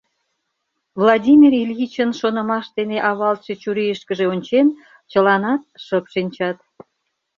Владимир Ильичын шонымаш дене авалтше чурийышкыже ончен, чыланат шып шинчат.